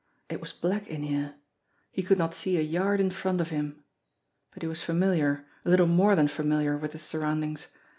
It was black in here. He could not see a yard in front of him. But he was familiar, a little more than familiar, with his surroundings!